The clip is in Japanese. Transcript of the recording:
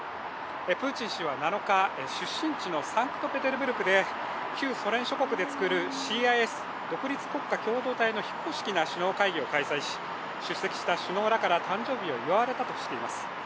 プーチン氏は７日、出身地のサンクトペテルブルクで旧ソ連諸国で作るＣＩＳ＝独立国家共同体の非公式な首脳会議を開催し、出席した首脳らから誕生日を祝われたとしています。